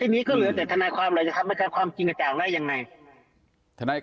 ทีนี้ก็เหลือแต่ทนายความแล้วจะทำไม่ได้ความจริงกับเจาก็ได้ยังไง